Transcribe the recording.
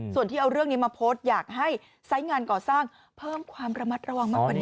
ส่วนที่เอาเรื่องนี้มาโพสต์อยากให้ไซส์งานก่อสร้างเพิ่มความระมัดระวังมากกว่านี้